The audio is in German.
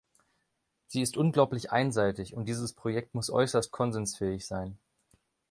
Sie ist unglaublich einseitig, und dieses Projekt muss äußerst konsensfähig sein.